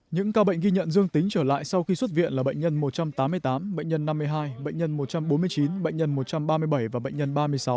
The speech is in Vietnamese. những ca bệnh ghi nhận dương tính trở lại sau khi xuất viện là bệnh nhân một trăm tám mươi tám bệnh nhân năm mươi hai bệnh nhân một trăm bốn mươi chín bệnh nhân một trăm ba mươi bảy và bệnh nhân ba mươi sáu